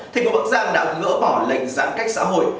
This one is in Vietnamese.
thành phố bắc giang đã gỡ bỏ lệnh giãn cách xã hội